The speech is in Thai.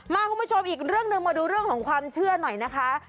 คุณผู้ชมอีกเรื่องหนึ่งมาดูเรื่องของความเชื่อหน่อยนะคะ